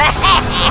jangan ganggu dia